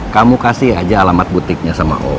kamu kasih aja alamat butiknya sama o